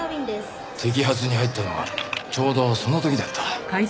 摘発に入ったのがちょうどその時だった。